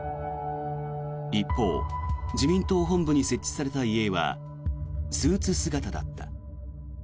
一方、自民党本部に設置された遺影はスーツ姿だった。